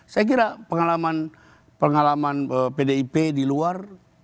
saya kira pengalaman pdip di luar